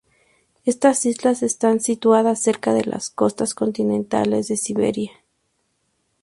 Estas islas están situadas cerca de las costas continentales de Siberia.